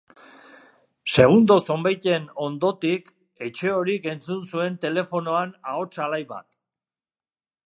Segundu zonbeiten ondotik Etxehorik entzun zuen telefonoan ahots alai bat.